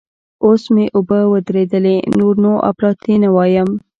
اوس مې اوبه ودرېدلې؛ نور نو اپلاتي نه وایم.